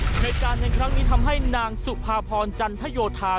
ในการเห็นครั้งนี้ทำให้นางสุภาพรจันทยโยทา